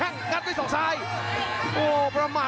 ไอมีลมไปส่วนชาติ